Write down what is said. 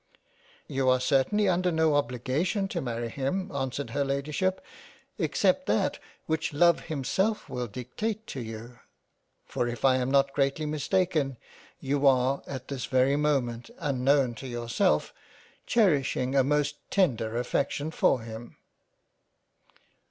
" You are certainly under no obligation to marry him answered her Ladyship, except that which love himself wiil dictate to you, for if I am not greatly mistaken you are at this very moment unknown to yourself, cherishing a most tender affection for him."